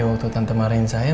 waktu tante marahin saya